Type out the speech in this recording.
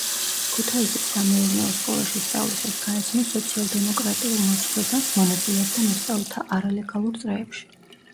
ქუთაისის სამეურნეო სკოლაში სწავლისას გაეცნო სოციალ-დემოკრატიულ მოძღვრებას, მონაწილეობდა მოსწავლეთა არალეგალურ წრეებში.